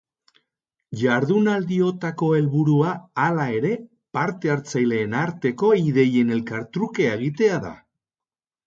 Jardunaldiotako helburua, hala ere, parte-hartzaileen arteko ideien elkartrukea egitea da.